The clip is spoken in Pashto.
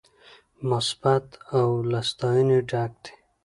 مثبت او له ستاينې ډک دي